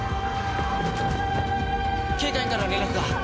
警戒員から連絡が。